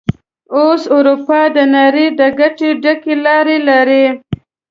اوس اروپا د نړۍ د ګټه ډکې لارې لري.